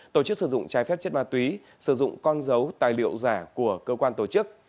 tổ chức sử dụng trái phép chất ma túy sử dụng con dấu tài liệu giả của cơ quan tổ chức